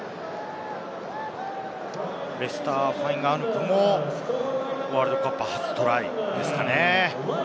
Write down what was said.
レスター・ファインガアヌクも、ワールドカップ初トライですね。